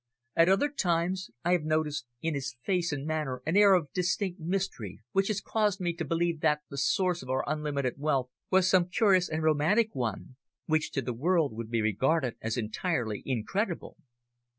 At other times I have noticed in his face and manner an air of distinct mystery which has caused me to believe that the source of our unlimited wealth was some curious and romantic one, which to the world would be regarded as entirely incredible.